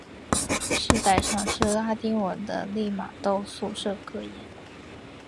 饰带上是拉丁文的利玛窦宿舍格言。